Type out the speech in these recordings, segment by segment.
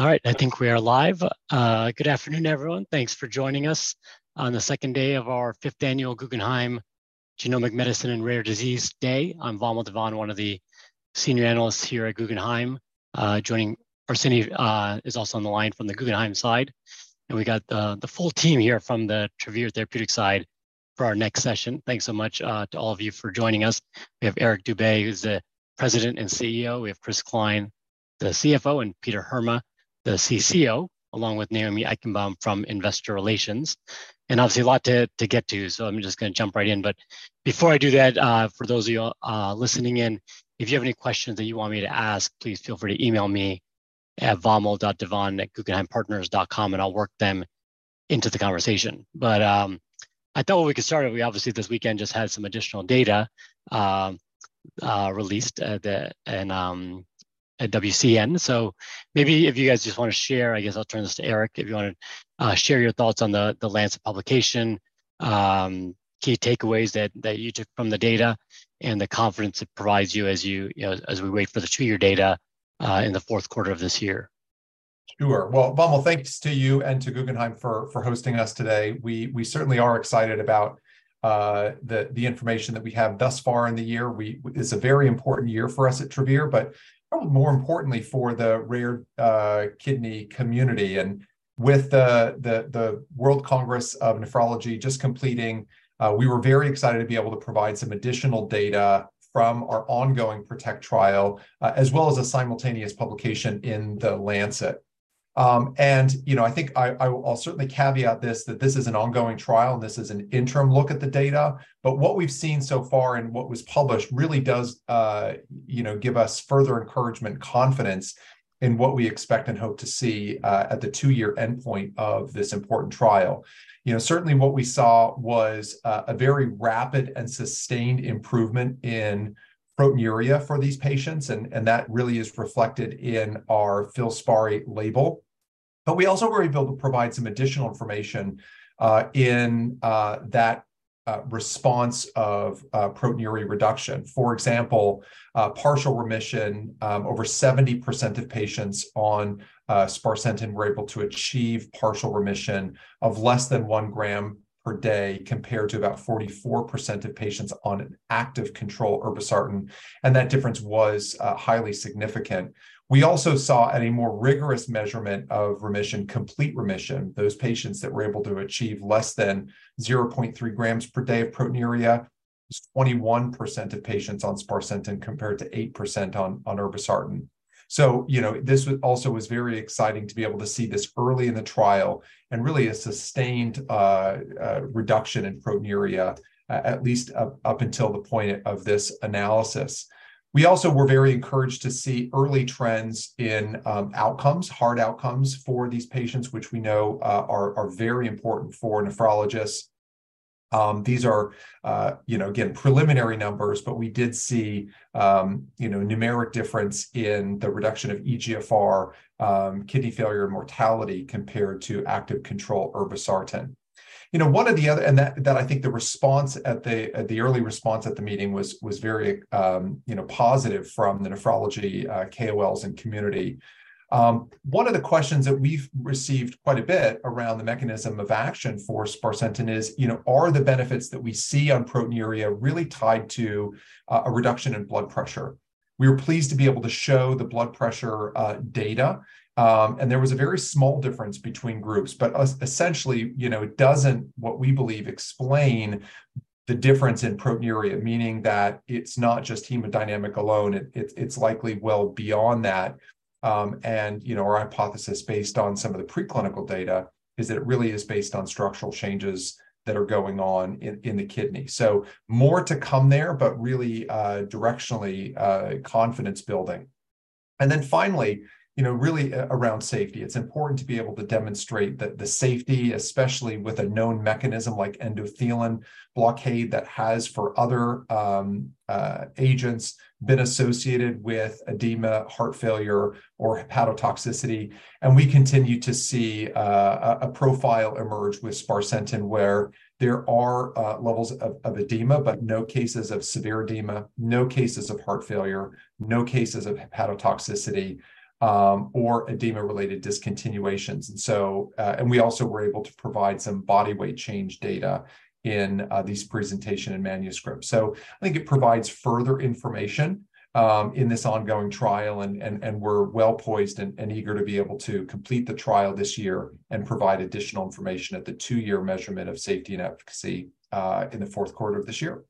All right, I think we are live. Good afternoon, everyone. Thanks for joining us on the second day of our fifth annual Guggenheim Genomic Medicines and Rare Disease Day. I'm Vamil Divan, one of the senior analysts here at Guggenheim. Arsene is also on the line from the Guggenheim side. We got the full team here from the Travere Therapeutics side for our next session. Thanks so much to all of you for joining us. We have Eric Dube, who's the President and CEO. We have Chris Cline, the CFO, and Peter Heerma, the CCO, along with Naomi Eichenbaum from Investor Relations. Obviously a lot to get to, so I'm just gonna jump right in. Before I do that, for those of you listening in, if you have any questions that you want me to ask, please feel free to email me at vamil.divan@guggenheimpartners.com, and I'll work them into the conversation. I thought what we could start with, we obviously this weekend just had some additional data released at WCN. Maybe if you guys just wanna share, I guess I'll turn this to Eric, if you wanna share your thoughts on the Lancet publication, key takeaways that you took from the data and the confidence it provides you as you know, as we wait for the two year data in the fourth quarter of this year. Sure. Well, Vamil, thanks to you and to Guggenheim for hosting us today. We certainly are excited about the information that we have thus far in the year. It's a very important year for us at Travere, but probably more importantly for the rare kidney community. With the World Congress of Nephrology just completing, we were very excited to be able to provide some additional data from our ongoing PROTECT trial, as well as a simultaneous publication in the Lancet. You know, I think I'll certainly caveat this, that this is an ongoing trial, and this is an interim look at the data. What we've seen so far and what was published really does, you know, give us further encouragement, confidence in what we expect and hope to see, at the two year endpoint of this important trial. You know, certainly what we saw was a very rapid and sustained improvement in proteinuria for these patients, and that really is reflected in our FILSPARI label. We also were able to provide some additional information, in that response of proteinuria reduction. For example, partial remission, over 70% of patients on sparsentan were able to achieve partial remission of less than 1 g/day, compared to about 44% of patients on an active control irbesartan, and that difference was highly significant. We also saw at a more rigorous measurement of remission, complete remission, those patients that were able to achieve less than 0.3 g/day of proteinuria, was 21% of patients on sparsentan compared to 8% on irbesartan. You know, this was also very exciting to be able to see this early in the trial and really a sustained reduction in proteinuria, at least up until the point of this analysis. We also were very encouraged to see early trends in outcomes, hard outcomes for these patients, which we know are very important for nephrologists. These are, you know, again, preliminary numbers, but we did see, you know, numeric difference in the reduction of eGFR, kidney failure, and mortality compared to active control irbesartan. You know, that, I think the response at the early response at the meeting was very, you know, positive from the nephrology KOLs and community. One of the questions that we've received quite a bit around the mechanism of action for sparsentan is, you know, are the benefits that we see on proteinuria really tied to a reduction in blood pressure? We were pleased to be able to show the blood pressure data, and there was a very small difference between groups. Essentially, you know, it doesn't, what we believe, explain the difference in proteinuria, meaning that it's not just hemodynamic alone. It's likely well beyond that. You know, our hypothesis based on some of the preclinical data is that it really is based on structural changes that are going on in the kidney. More to come there, but really, directionally, confidence building. Then finally, you know, really around safety, it's important to be able to demonstrate the safety, especially with a known mechanism like endothelin blockade that has for other agents been associated with edema, heart failure, or hepatotoxicity. We continue to see a profile emerge with sparsentan where there are levels of edema, but no cases of severe edema, no cases of heart failure, no cases of hepatotoxicity, or edema-related discontinuations. We also were able to provide some body weight change data in this presentation and manuscript. I think it provides further information in this ongoing trial, and we're well-poised and eager to be able to complete the trial this year and provide additional information at the two year measurement of safety and efficacy in the fourth quarter of this year.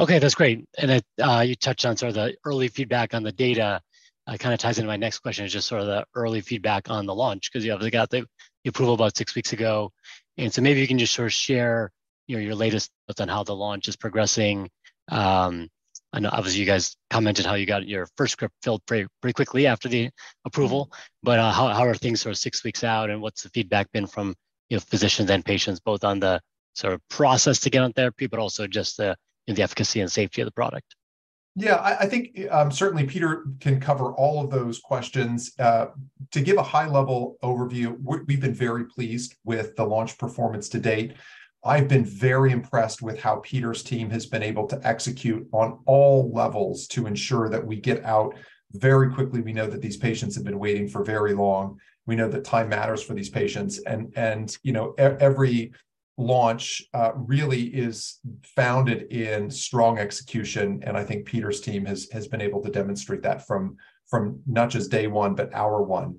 Okay, that's great. Then you touched on sort of the early feedback on the data. Kind of ties into my next question, is just sort of the early feedback on the launch, 'cause you obviously got the approval about six weeks ago. Maybe you can just sort of share, you know, your latest thoughts on how the launch is progressing. I know obviously you guys commented how you got your first script filled pretty quickly after the approval. How are things sort of six weeks out, and what's the feedback been from, you know, physicians and patients, both on the sort of process to get on therapy, but also just the efficacy and safety of the product? Yeah. I think, certainly Peter can cover all of those questions. To give a high-level overview, we've been very pleased with the launch performance to date. I've been very impressed with how Peter's team has been able to execute on all levels to ensure that we get out very quickly. We know that these patients have been waiting for very long. We know that time matters for these patients. You know, every launch really is founded in strong execution, and I think Peter's team has been able to demonstrate that from not just day one, but hour one.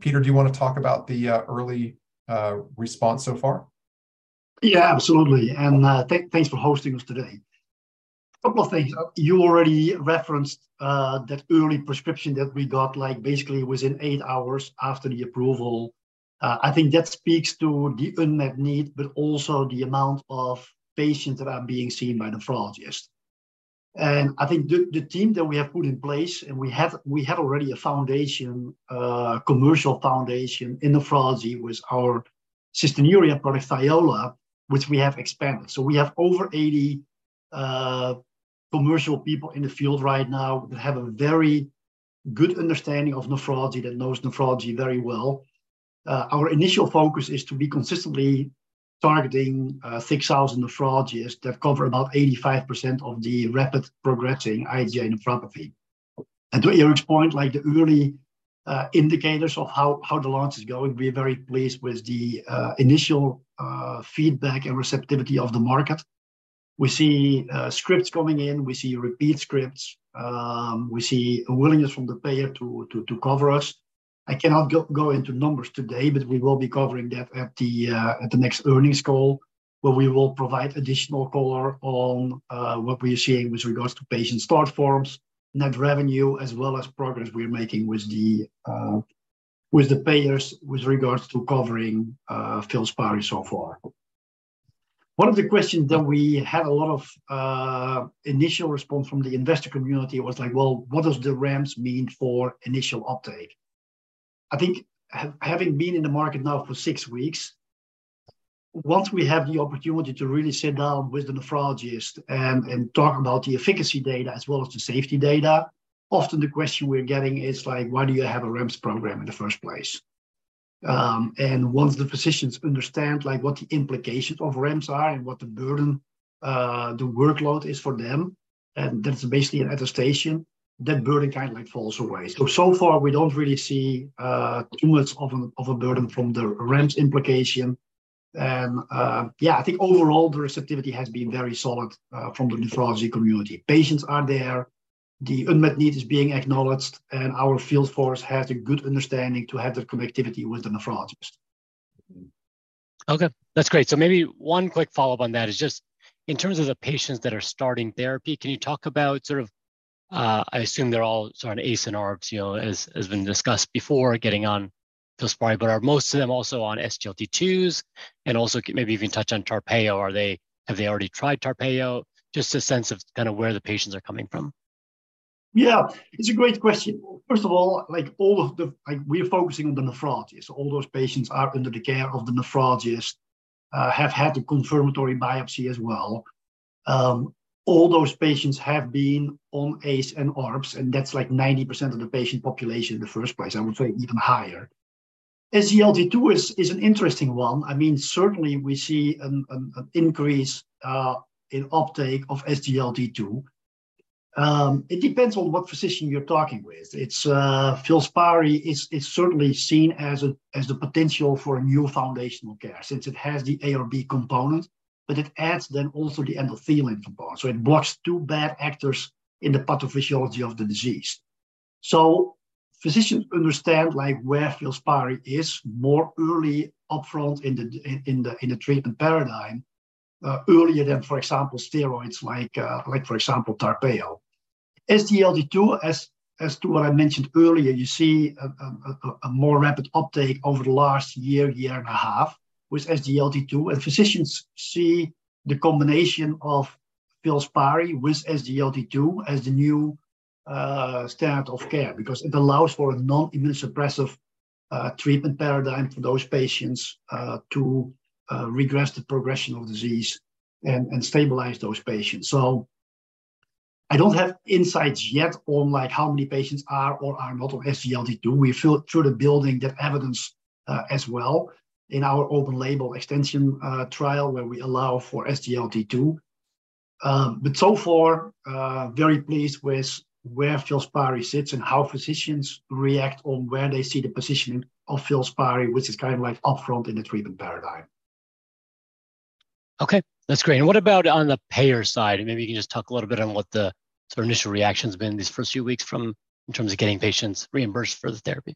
Peter, do you wanna talk about the early response so far? Yeah, absolutely. Thanks for hosting us today. Couple of things. You already referenced that early prescription that we got, like, basically within eight hours after the approval. I think that speaks to the unmet need, but also the amount of patients that are being seen by nephrologists. I think the team that we have put in place, and we have already a foundation, commercial foundation in nephrology with our cystinuria product, THIOLA, which we have expanded. We have over 80 commercial people in the field right now that have a very good understanding of nephrology, that knows nephrology very well. Our initial focus is to be consistently targeting 6,000 nephrologists that cover about 85% of the rapid progressing IgA nephropathy. To Eric's point, like the early indicators of how the launch is going, we're very pleased with the initial feedback and receptivity of the market. We see scripts coming in. We see repeat scripts. We see a willingness from the payer to cover us. I cannot go into numbers today, but we will be covering that at the next earnings call, where we will provide additional color on what we are seeing with regards to patient start forms, net revenue, as well as progress we are making with the payers with regards to covering FILSPARI so far. One of the questions that we had a lot of initial response from the investor community was like, "Well, what does the REMS mean for initial uptake?" I think having been in the market now for six weeks, once we have the opportunity to really sit down with the nephrologist and talk about the efficacy data as well as the safety data, often the question we're getting is like, "Why do you have a REMS program in the first place?" Once the physicians understand, like, what the implications of REMS are and what the burden, the workload is for them, and that's basically an attestation, that burden kind of like falls away. So far we don't really see too much of a burden from the REMS implication. I think overall the receptivity has been very solid from the nephrology community. Patients are there, the unmet need is being acknowledged, and our field force has a good understanding to have that connectivity with the nephrologist. Okay, that's great. Maybe one quick follow-up on that is just in terms of the patients that are starting therapy, can you talk about sort of, I assume they're all sort of ACE and ARBs, you know, as been discussed before, getting on FILSPARI, but are most of them also on SGLT2s? Also maybe if you can touch on Tarpeyo. Have they already tried Tarpeyo? Just a sense of kinda where the patients are coming from. Yeah, it's a great question. First of all, we're focusing on the nephrologist. All those patients are under the care of the nephrologist, have had the confirmatory biopsy as well. All those patients have been on ACE and ARBs. That's like 90% of the patient population in the first place, I would say even higher. SGLT2 is an interesting one. I mean, certainly we see an increase in uptake of SGLT2. It depends on what physician you're talking with. FILSPARI is certainly seen as the potential for a new foundational care since it has the ARB component, but it adds then also the endothelin component. It blocks two bad actors in the pathophysiology of the disease. Physicians understand, like, where FILSPARI is more early upfront in the treatment paradigm, earlier than, for example, steroids like for example, Tarpeyo. SGLT2, as to what I mentioned earlier, you see a more rapid uptake over the last year and a half with SGLT2, and physicians see the combination of FILSPARI with SGLT2 as the new standard of care because it allows for a non-immune suppressive treatment paradigm for those patients to regress the progression of disease and stabilize those patients. I don't have insights yet on how many patients are or are not on SGLT2. We're still sort of building that evidence as well in our open label extension trial where we allow for SGLT2. So far, very pleased with where FILSPARI sits and how physicians react on where they see the positioning of FILSPARI, which is kind of like upfront in the treatment paradigm. Okay, that's great. What about on the payer side? Maybe you can just talk a little bit on what the sort of initial reaction's been these first few weeks from, in terms of getting patients reimbursed for the therapy.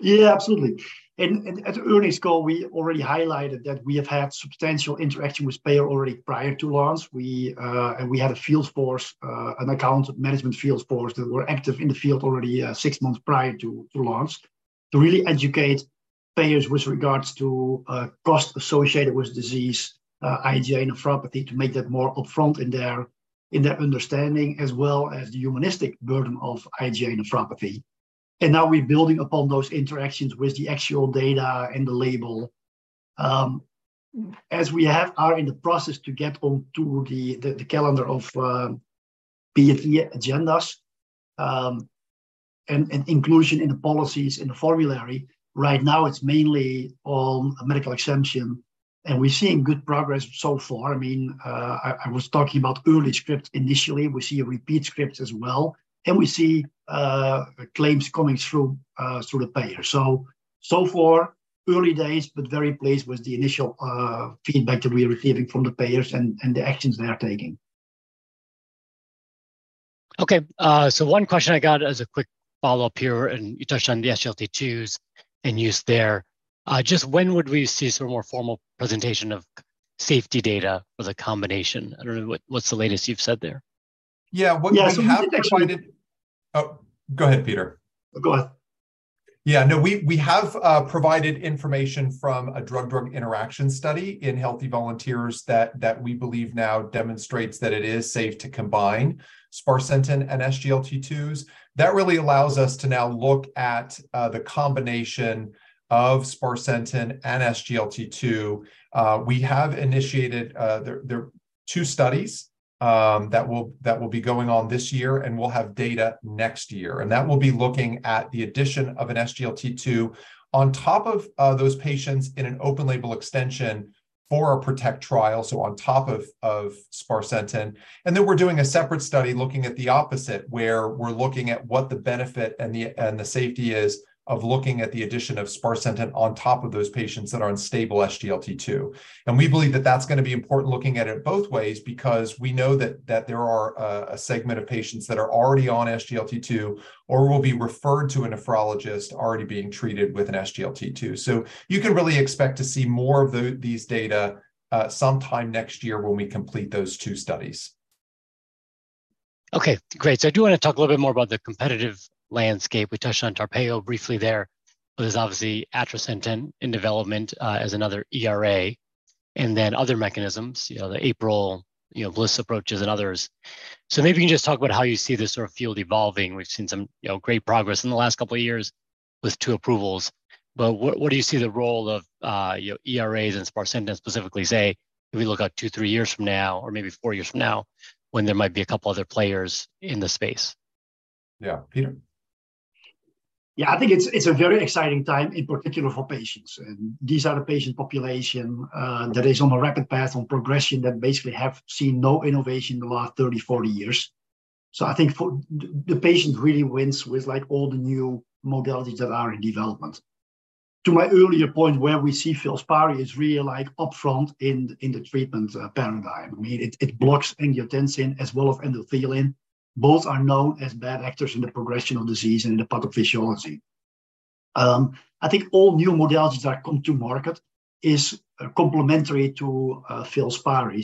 Yeah, absolutely. At the earnings call, we already highlighted that we have had substantial interaction with payers already prior to launch. We had a field force, an account management field force that were active in the field already six months prior to launch, to really educate payers with regards to cost associated with disease, IgA nephropathy, to make that more upfront in their understanding as well as the humanistic burden of IgA nephropathy. Now we're building upon those interactions with the actual data and the label. As we are in the process to get onto the calendar of PDUFA agendas, and inclusion in the policies in the formulary. Right now it's mainly on a medical exemption, and we're seeing good progress so far. I mean, I was talking about early scripts initially. We see repeat scripts as well, and we see claims coming through through the payer. So far, early days, but very pleased with the initial feedback that we are receiving from the payers and the actions they are taking. Okay. One question I got as a quick follow-up here, you touched on the SGLT2s and use there. Just when would we see some more formal presentation of safety data as a combination? I don't know what's the latest you've said there? Yeah. We have provided. Yeah. We did explain it- Oh, go ahead, Peter. Go ahead. Yeah, no, we have provided information from a drug interaction study in healthy volunteers that we believe now demonstrates that it is safe to combine sparsentan and SGLT2s. That really allows us to now look at the combination of sparsentan and SGLT2. We have initiated two studies that will be going on this year, and we'll have data next year. That will be looking at the addition of an SGLT2 on top of those patients in an open label extension for a PROTECT trial, so on top of sparsentan. Then we're doing a separate study looking at the opposite, where we're looking at what the benefit and the safety is of looking at the addition of sparsentan on top of those patients that are on stable SGLT2. We believe that's gonna be important looking at it both ways because we know that there are a segment of patients that are already on SGLT2 or will be referred to a nephrologist already being treated with an SGLT2. You can really expect to see more of these data sometime next year when we complete those two studies. Okay. Great. I do wanna talk a little bit more about the competitive landscape. We touched on Tarpeyo briefly there. There's obviously atrasentan in development, as another ERA, and then other mechanisms, you know, the APRIL, you know, BAFF approaches and others. Maybe you can just talk about how you see this sort of field evolving. We've seen some, you know, great progress in the last couple of years with two approvals. What do you see the role of, you know, ERAs and sparsentan specifically, say, if we look out two, three years from now or maybe four years from now when there might be a couple other players in the space? Yeah. Peter? Yeah. I think it's a very exciting time, in particular for patients. These are the patient population that is on a rapid path on progression that basically have seen no innovation in the last 30, 40 years. I think for the patient really wins with, like, all the new modalities that are in development. To my earlier point where we see FILSPARI is really, like, upfront in the treatment paradigm. I mean, it blocks angiotensin as well as endothelin. Both are known as bad actors in the progression of disease and in the pathophysiology. I think all new modalities that come to market is complementary to FILSPARI.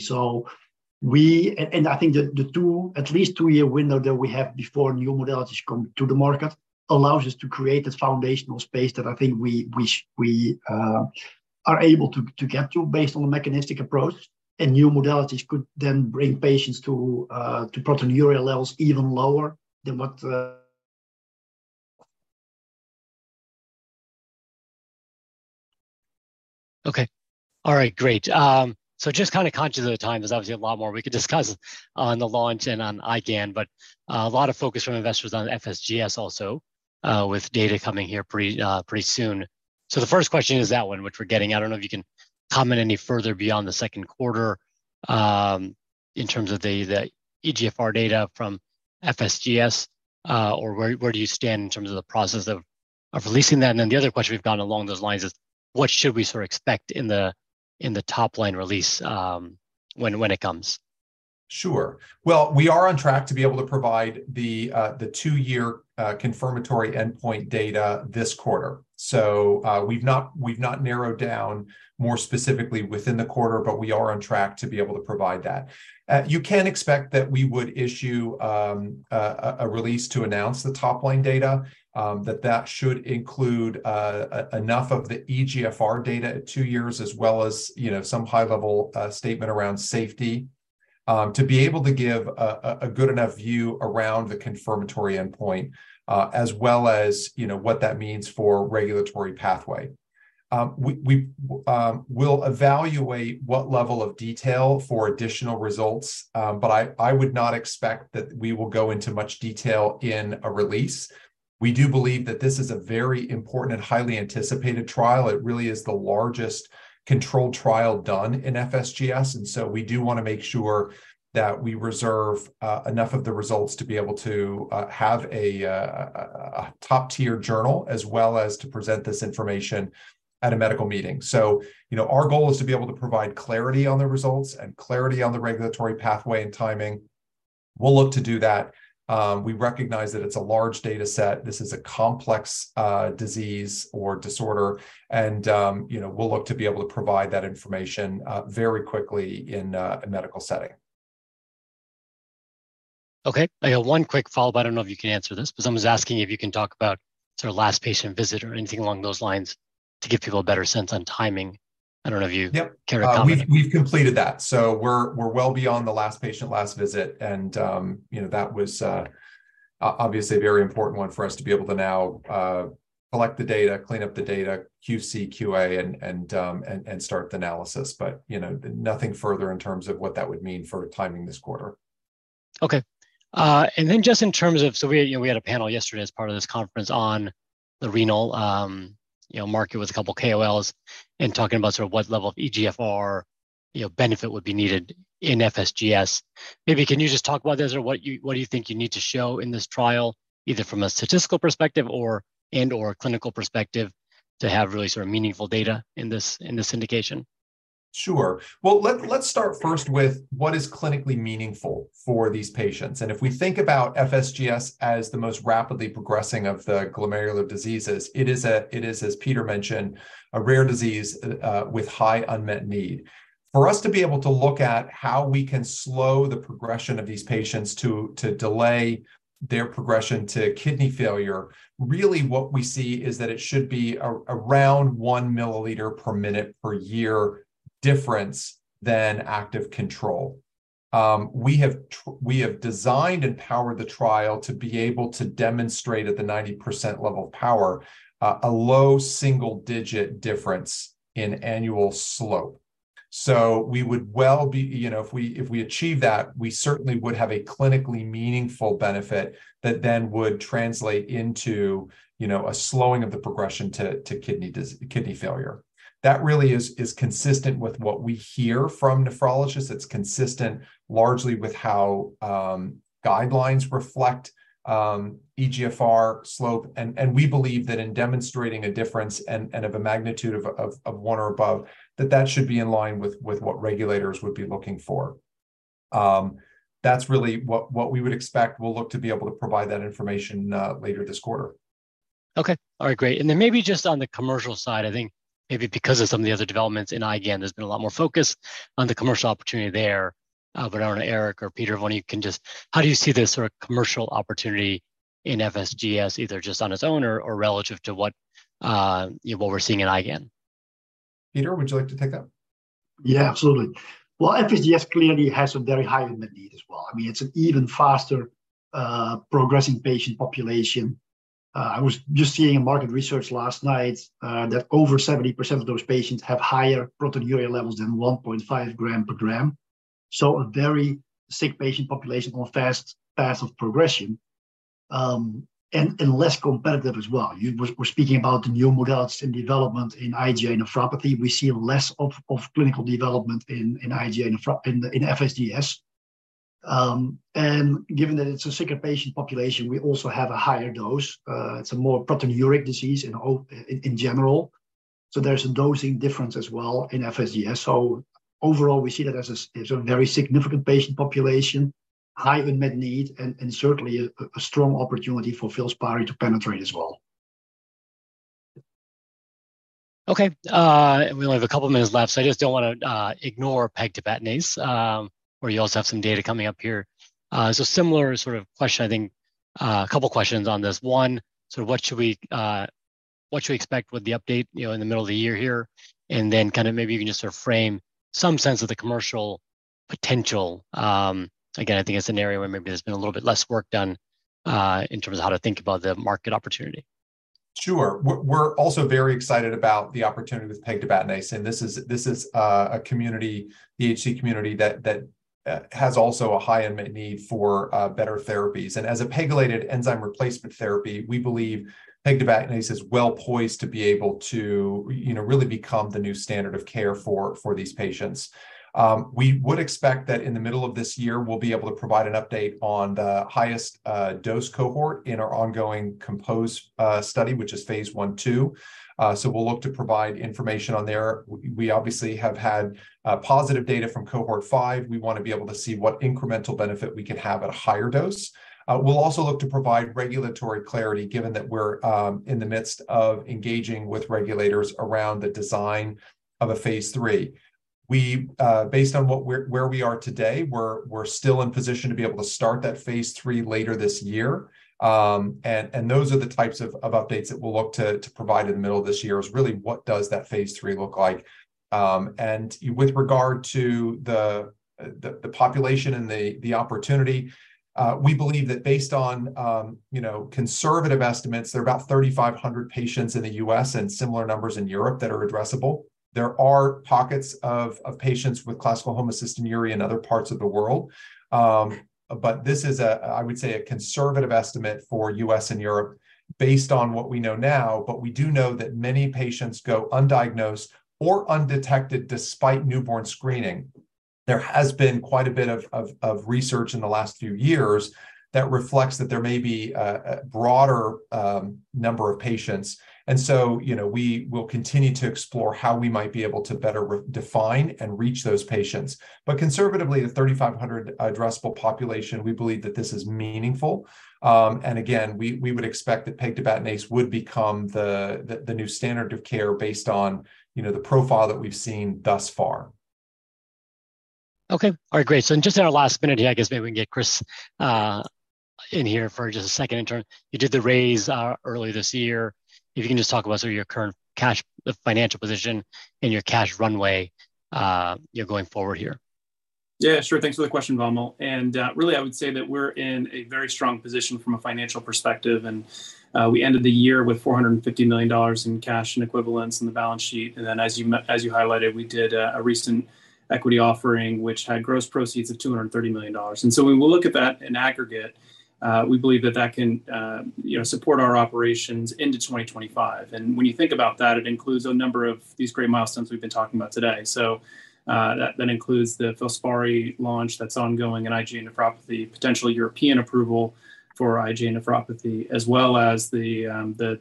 we... I think the two, at least two-year window that we have before new modalities come to the market allows us to create this foundational space that I think we are able to get to based on the mechanistic approach. New modalities could then bring patients to proteinuria levels even lower than what. Okay. All right, great. Just kinda conscious of the time. There's obviously a lot more we could discuss on the launch and on IgAN, but a lot of focus from investors on FSGS also, with data coming here pretty soon. The first question is that one which we're getting. I don't know if you can comment any further beyond the second quarter, in terms of the eGFR data from FSGS, or where do you stand in terms of the process of releasing that? The other question we've gotten along those lines is what should we sort of expect in the top line release, when it comes? We are on track to be able to provide the two year confirmatory endpoint data this quarter. We've not narrowed down more specifically within the quarter, but we are on track to be able to provide that. You can expect that we would issue a release to announce the top-line data that should include enough of the eGFR data at two years as well as, you know, some high-level statement around safety to be able to give a good enough view around the confirmatory endpoint as well as, you know, what that means for regulatory pathway. We'll evaluate what level of detail for additional results, but I would not expect that we will go into much detail in a release. We do believe that this is a very important and highly anticipated trial. It really is the largest controlled trial done in FSGS, we do wanna make sure that we reserve enough of the results to be able to have a top-tier journal as well as to present this information at a medical meeting. You know, our goal is to be able to provide clarity on the results and clarity on the regulatory pathway and timing. We'll look to do that. We recognize that it's a large data set. This is a complex disease or disorder and, you know, we'll look to be able to provide that information very quickly in a medical setting. Okay. I have one quick follow-up. I don't know if you can answer this, but someone's asking if you can talk about sort of last patient visit or anything along those lines to give people a better sense on timing. I don't know if you. Yep care to comment. We've completed that. We're well beyond the last patient last visit and, you know, that was obviously a very important one for us to be able to now collect the data, clean up the data, QC, QA, and start the analysis. You know, nothing further in terms of what that would mean for timing this quarter. Okay. Just in terms of... We, you know, we had a panel yesterday as part of this conference on the renal, you know, market with a couple of KOLs and talking about sort of what level of eGFR, you know, benefit would be needed in FSGS. Maybe can you just talk about this or what you, what do you think you need to show in this trial, either from a statistical perspective or, and/or a clinical perspective to have really sort of meaningful data in this, in this indication? Sure. Well, let's start first with what is clinically meaningful for these patients. If we think about FSGS as the most rapidly progressing of the glomerular diseases, it is, as Peter mentioned, a rare disease with high unmet need. For us to be able to look at how we can slow the progression of these patients to delay their progression to kidney failure, really what we see is that it should be around 1 milliliter per minute per year difference than active control. We have designed and powered the trial to be able to demonstrate at the 90% level of power a low single-digit difference in annual slope. We would well be... You know, if we, if we achieve that, we certainly would have a clinically meaningful benefit that then would translate into, you know, a slowing of the progression to kidney failure. That really is consistent with what we hear from nephrologists, it's consistent largely with how guidelines reflect eGFR slope. We believe that in demonstrating a difference and of a magnitude of one or above, that should be in line with what regulators would be looking for. That's really what we would expect. We'll look to be able to provide that information later this quarter. Okay. All right, great. Maybe just on the commercial side, I think maybe because of some of the other developments in IgAN, there's been a lot more focus on the commercial opportunity there. I don't know, Eric or Peter, if one of you can just... How do you see the sort of commercial opportunity in FSGS, either just on its own or relative to what, you know, what we're seeing in IgAN? Peter, would you like to take that? Yeah, absolutely. Well, FSGS clearly has a very high unmet need as well. I mean, it's an even faster progressing patient population. I was just seeing in market research last night that over 70% of those patients have higher proteinuria levels than 1.5 g/g, so a very sick patient population on a fast path of progression, and less competitive as well. We're speaking about the new modalities in development in IgA nephropathy. We see less of clinical development in FSGS. Given that it's a sicker patient population, we also have a higher dose. It's a more proteinuria disease in general, so there's a dosing difference as well in FSGS. Overall, we see that as a very significant patient population, high unmet need, and certainly a strong opportunity for FILSPARI to penetrate as well. Okay. We only have a couple of minutes left, so I just don't wanna ignore pegtibatinase, where you also have some data coming up here. Similar sort of question, I think, a couple questions on this. One, sort of what should we expect with the update, you know, in the middle of the year here? Kinda maybe you can just sort of frame some sense of the commercial potential. Again, I think that's an area where maybe there's been a little bit less work done, in terms of how to think about the market opportunity. Sure. We're also very excited about the opportunity with pegtibatinase. This is a community, the HCU community that has also a high unmet need for better therapies. As a pegylated enzyme replacement therapy, we believe pegtibatinase is well poised to be able to, you know, really become the new standard of care for these patients. We would expect that in the middle of this year we'll be able to provide an update on the highest dose cohort in our ongoing COMPOSE study, which is phase I/II. We'll look to provide information on there. We obviously have had positive data from cohort 5. We wanna be able to see what incremental benefit we can have at a higher dose. We'll also look to provide regulatory clarity given that we're in the midst of engaging with regulators around the design of a phase III. We, based on where we are today, we're still in position to be able to start that phase III later this year. Those are the types of updates that we'll look to provide in the middle of this year, is really what does that phase III look like. With regard to the population and the opportunity, we believe that based on, you know, conservative estimates, there are about 3,500 patients in the U.S. and similar numbers in Europe that are addressable. There are pockets of patients with classical homocystinuria in other parts of the world, but this is a, I would say, a conservative estimate for U.S. and Europe based on what we know now. We do know that many patients go undiagnosed or undetected despite newborn screening. There has been quite a bit of research in the last few years that reflects that there may be a broader number of patients. You know, we will continue to explore how we might be able to better define and reach those patients. Conservatively, the 3,500 addressable population, we believe that this is meaningful. Again, we would expect that pegtibatinase would become the new standard of care based on, you know, the profile that we've seen thus far. Okay. All right, great. In just in our last minute here, I guess maybe we can get Chris, in here for just a second. In turn, you did the raise, earlier this year. If you can just talk about sort of your current financial position and your cash runway, you know, going forward here. Yeah, sure. Thanks for the question, Vamil. Really, I would say that we're in a very strong position from a financial perspective. We ended the year with $450 million in cash and equivalents in the balance sheet. As you highlighted, we did a recent equity offering, which had gross proceeds of $230 million. When we look at that in aggregate, we believe that that can, you know, support our operations into 2025. When you think about that, it includes a number of these great milestones we've been talking about today. That includes the FILSPARI launch that's ongoing in IgA nephropathy, potential European approval for IgA nephropathy, as well as the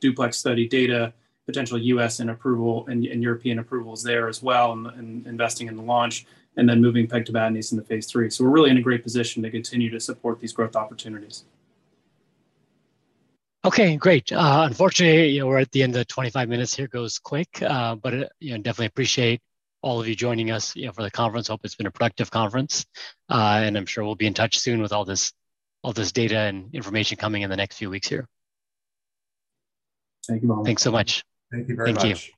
DUPLEX study data, potential U.S. and approval and European approvals there as well, in investing in the launch, and then moving pegtibatinase into phase III. We're really in a great position to continue to support these growth opportunities. Okay, great. Unfortunately, you know, we're at the end of the 25 minutes here. It goes quick. You know, definitely appreciate all of you joining us, you know, for the conference. Hope it's been a productive conference. I'm sure we'll be in touch soon with all this, all this data and information coming in the next few weeks here. Thank you Vamil. Thanks so much. Thank you very much. Thank you. Thanks.